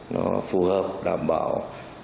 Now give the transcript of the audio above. nó phù hợp đảm bảo